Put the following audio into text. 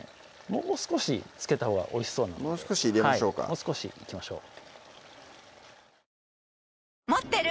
もう少しつけたほうがおいしそうなのでもう少し入れましょうかもう少しいきましょう